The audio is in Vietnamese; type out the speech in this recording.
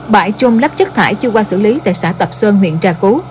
bãi chôm lắp chất thải chưa qua xử lý tại xã tập sơn huyện trà cú